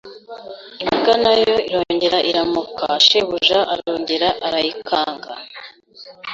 imbwa na yo irongera iramoka Shebuja arongera arayikanga